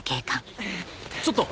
ちょっと！